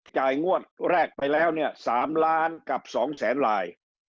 งวดแรกไปแล้วเนี่ย๓ล้านกับ๒แสนลาย